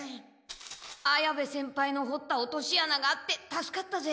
綾部先輩のほった落としあながあって助かったぜ。